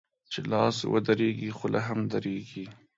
چي لاس و درېږي ، خوله هم درېږي.